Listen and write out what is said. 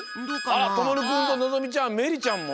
あらともるくんとのぞみちゃんめりちゃんも？